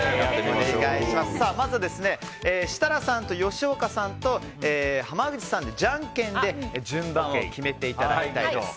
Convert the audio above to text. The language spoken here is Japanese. まずは設楽さんと吉岡さんと濱口さんで、じゃんけんで順番を決めてください。